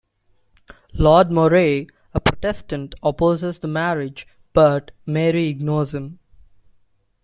Lord Moray, a Protestant, opposes the marriage, but Mary ignores him.